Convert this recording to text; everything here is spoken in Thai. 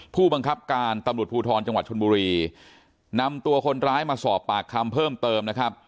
ผู้บังคับการตำรวจภูทรจังหวัดชนบุรีนำตัวคนร้ายมาสอบปากคำเพิ่มเติมนะครับ